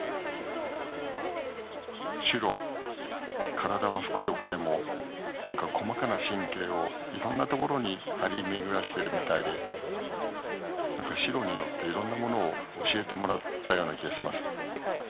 体はふくよかでも何か細かな神経をいろんなところに張り巡らしてるみたいで何かしろによっていろんなものを教えてもらったような気がします。